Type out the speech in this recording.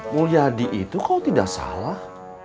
mulia di itu kau tidak salah